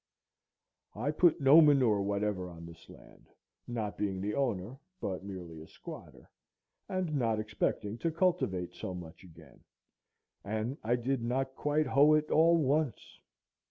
I put no manure whatever on this land, not being the owner, but merely a squatter, and not expecting to cultivate so much again, and I did not quite hoe it all once.